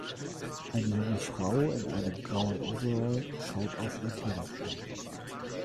Eine junge Frau in einem grauen Overall schaut auf ihr Telefon.